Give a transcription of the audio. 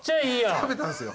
食べたんすよ。